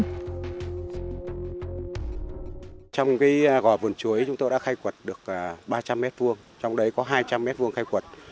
trong gò vườn chuối chúng tôi đã khai quật được ba trăm linh m hai trong đấy có hai trăm linh m hai khai quật